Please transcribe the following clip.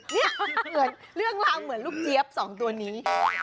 เนี่ยเรื่องราวเหมือนลูกเยี๊ยบสองตัวนี้